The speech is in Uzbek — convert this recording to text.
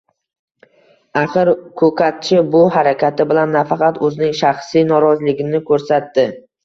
axir ko‘katchi bu harakati bilan nafaqat o‘zining shaxsiy noroziligini ko‘rsatdi